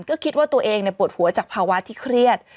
ก็คิดว่าตัวเองปวดหัวจากภาวะที่เครียด